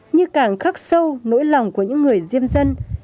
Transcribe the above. như càng khắc sâu nỗi lòng của những người diêm dân